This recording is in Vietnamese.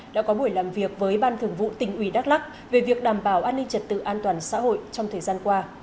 đã có buổi làm việc với ban thường vụ tỉnh ủy đắk lắc về việc đảm bảo an ninh trật tự an toàn xã hội trong thời gian qua